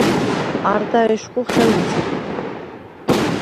არდა ეშხუ ხელწიფხ.